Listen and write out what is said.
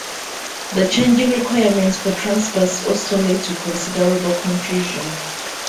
The changing requirements for Transbus also led to considerable confusion.